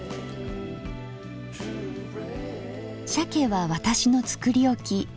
鮭は私の作り置き。